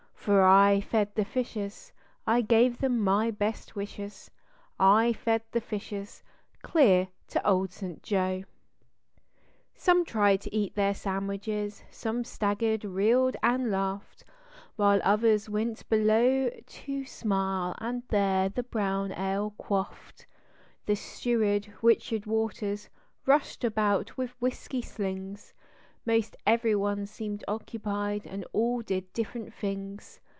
For I fed the fishes, I gave them my best wishes, I fed the fishes clear to Old St. Joe. ss / //:/> Tin : n si IKS Some trier! to eat their sandwiches, some staggered, reeled and laughed, While others went below to smile, and there the brown ale quaffed. The steward, Richard Waters, rushed about with whiskey slings; Most even one seemed occupied and all did different things.